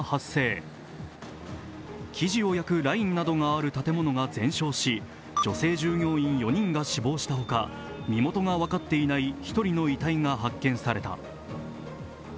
生地を焼くラインなどがある建物が全焼し、女性従業員４人が死亡したほか身元が分かっていない１人の遺体が発見された。